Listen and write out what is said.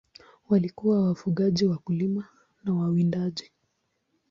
Walikuwa wafugaji, wakulima na wawindaji.